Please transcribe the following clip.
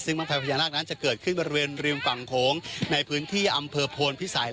ซึ่งบ้างไฟพญานาคนั้นจะเกิดขึ้นบริเวณริมฝั่งโขงในพื้นที่อำเภอโพนพิสัย